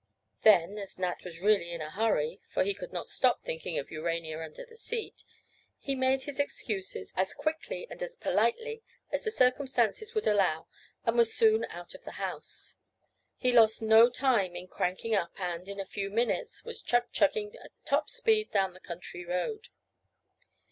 Then, as Nat was really in a hurry (for he could not stop thinking of Urania under the seat) he made his excuses as quickly and as politely as the circumstances would allow, and was soon out of the house. He lost no time in cranking up and, in a few minutes, was chug chugging at top speed down the country road.